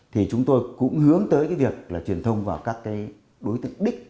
thì chúng tôi cũng hướng tới cái việc là truyền thông vào các cái đối tượng đích